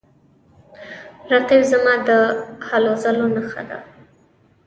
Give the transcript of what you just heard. رقیب زما د هلو ځلو نښه ده